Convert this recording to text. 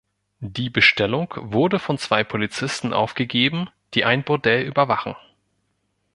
Die Bestellung wurde von zwei Polizisten aufgegeben, die ein Bordell überwachen.